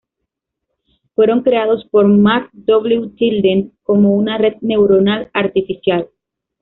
Fueron creados por Mark W. Tilden, como una Red Neuronal Artificial.